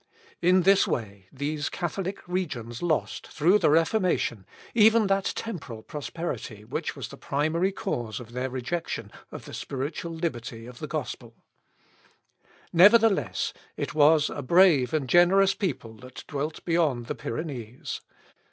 In this way, these Catholic regions lost, through the Reformation, even that temporal prosperity which was the primary cause of their rejection of the spiritual liberty of the gospel. Nevertheless, it was a brave and generous people that dwelt beyond the Pyrenees.